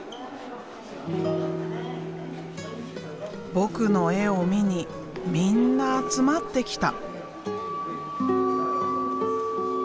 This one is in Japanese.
僕の絵を見にみんな集まってきた。